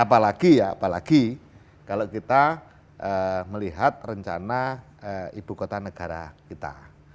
apalagi ya apalagi kalau kita melihat rencana ibu kota negara kita